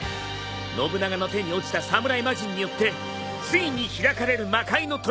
信長の手に落ちた侍魔人によってついに開かれる魔界の扉。